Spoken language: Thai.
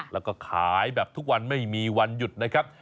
แล้วก็ขายแบบทุกวันไม่มีวันหยุดนะครับ